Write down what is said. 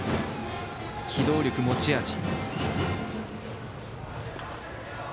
機動力、持ち味。